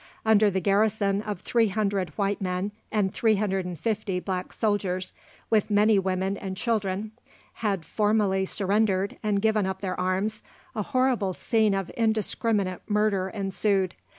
After the garrison of 300 white men and 350 black soldiers, with many women and children, had formally surrendered and given up their arms, a horrible scene of indiscriminate murder ensued.